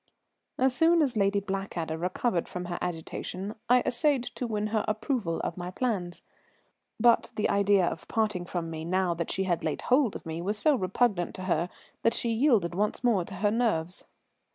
So soon as Lady Blackadder recovered from her agitation, I essayed to win her approval of my plans. But the idea of parting from me now that she had laid hold of me was so repugnant to her that she yielded once more to her nerves.